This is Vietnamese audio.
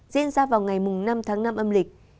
diễn ra vào ngày năm tháng năm âm lịch